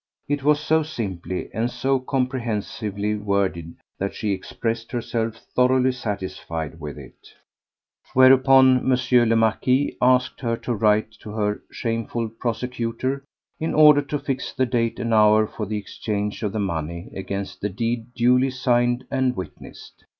It was so simply and so comprehensively worded that she expressed herself thoroughly satisfied with it, whereupon M. le Marquis asked her to write to her shameful persecutor in order to fix the date and hour for the exchange of the money against the deed duly signed and witnessed.